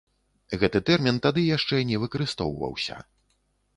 Гэты тэрмін тады яшчэ не выкарыстоўваўся.